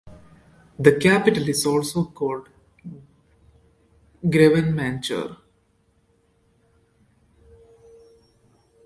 The capital is also called Grevenmacher.